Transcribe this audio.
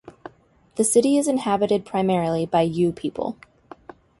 The city is inhabited primarily by Ewe people.